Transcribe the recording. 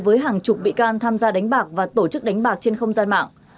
với hàng chục bị can tham gia đánh bạc và tổ chức đánh bạc trên không gian mạng